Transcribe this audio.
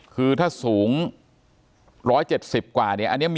คือถ้าสูง๑๗๐บาทกว่า